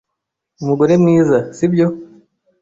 Umugore mwiza, sibyo?